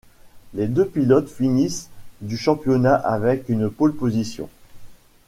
Les deux pilotes finissent du championnat avec une pole position.